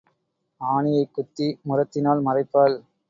ஆனையைக் குத்தி முறத்தினால் மறைப்பாள்.